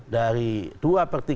dari dua per tiga